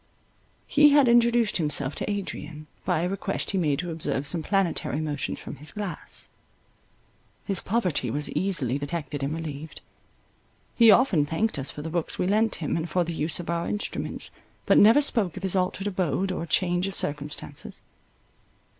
He had introduced himself to Adrian, by a request he made to observe some planetary motions from his glass. His poverty was easily detected and relieved. He often thanked us for the books we lent him, and for the use of our instruments, but never spoke of his altered abode or change of circumstances.